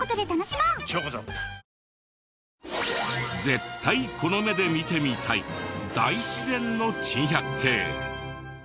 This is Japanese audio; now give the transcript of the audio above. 絶対この目で見てみたい大自然の珍百景。